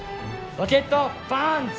ロケットパンチ！